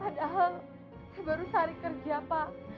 padahal baru sehari kerja pak